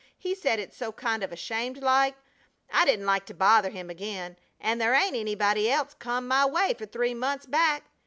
He said it so kind of ashamed like I didn't like to bother him again; and there ain't anybody else come my way for three months back.